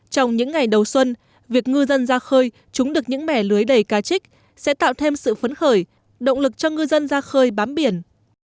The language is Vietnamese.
trong những ngày đầu xuân việc ngư dân ra khơi trúng được những mẻ lưới đầy cá trích sẽ tạo thêm sự phấn khởi động lực cho ngư dân ra khơi bám biển